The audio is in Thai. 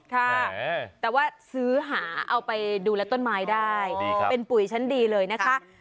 ค่ะแต่ว่าซื้อหาเอาไปดูแลต้นไม้ได้เป็นปุ๋ยชั้นดีเลยนะคะ